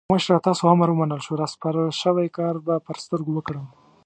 مشره تاسو امر ومنل شو؛ راسپارل شوی کار به پر سترګو وکړم.